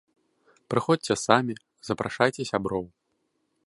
Прыходзьце самі, запрашайце сяброў!